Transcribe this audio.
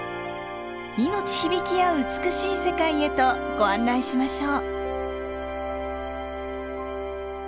命響きあう美しい世界へとご案内しましょう。